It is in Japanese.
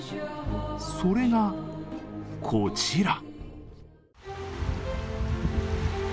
それがこちら。